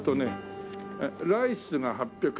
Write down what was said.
ライスが８００円